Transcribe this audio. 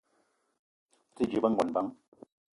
O te dje be ngon bang ?